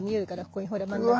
ここにほら真ん中。